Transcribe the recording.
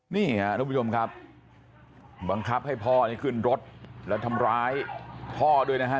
นี่ลูกผู้ชมครับบังคับให้พ่อขึ้นรถและทำร้ายพ่อด้วยนะครับ